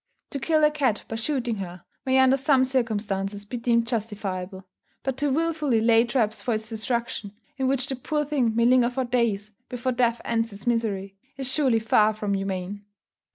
To kill a cat by shooting her, may under some circumstances be deemed justifiable; but to wilfully lay traps for its destruction, in which the poor thing may linger for days, before death ends its misery, is surely far from humane.